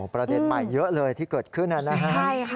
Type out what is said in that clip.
อ๋อประเด็นใหม่เยอะเลยที่กดขึ้นอะนะฮะ